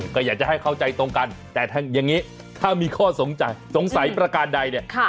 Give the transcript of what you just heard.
ก็อยากจะให้เข้าใจตรงกันแต่อย่างนี้ถ้ามีข้อสงสัยสงสัยประการใดเนี่ย